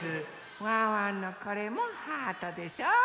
ワンワンのこれもハートでしょ。